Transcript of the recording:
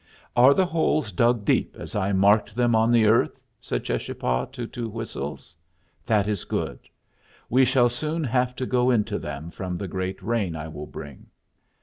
"Are the holes dug deep as I marked them on the earth?" said Cheschapah to Two Whistles. "That is good. We shall soon have to go into them from the great rain I will bring.